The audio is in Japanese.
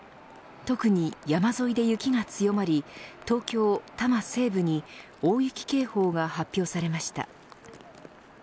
特に山沿いで雪が強まり東京、多摩西部に大雪警報が発表されました。